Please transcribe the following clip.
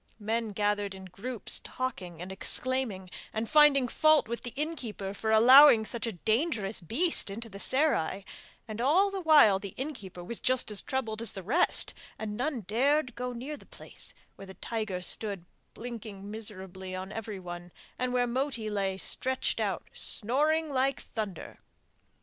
Men gathered in groups talking and exclaiming, and finding fault with the innkeeper for allowing such a dangerous beast into the serai, and all the while the innkeeper was just as troubled as the rest, and none dared go near the place where the tiger stood blinking miserably on everyone, and where Moti lay stretched out snoring like thunder.